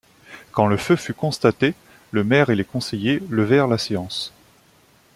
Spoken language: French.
Quand le feu fut constaté, le maire et les conseillers levèrent la séance.